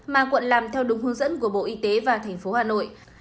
mà quận làm theo đúng hướng dẫn của bộ y tế và tp hà nội